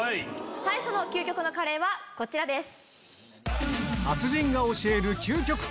最初の究極のカレーはこちらです。